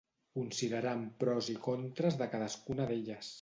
considerant pros i contres de cadascuna d'elles